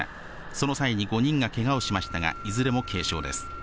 その際に５人がけがをしましたが、いずれも軽傷です。